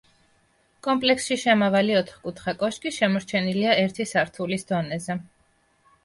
კომპლექსში შემავალი ოთხკუთხა კოშკი შემორჩენილია ერთი სართულის დონეზე.